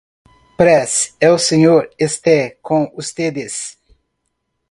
Pres.: El Señor esté con Ustedes.